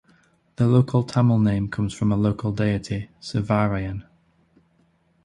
The local Tamil name comes from a local deity, "Servarayan".